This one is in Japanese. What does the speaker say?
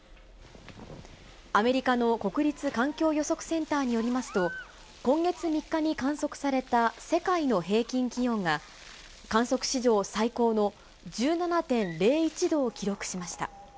アメリカの国立環境予測センターによりますと、今月３日に観測された世界の平均気温が、観測史上最高の１７．０１度を記録しました。